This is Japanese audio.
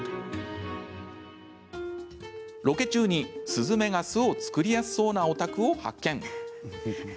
ロケ中に、スズメが巣を作りやすそうなお宅を発見。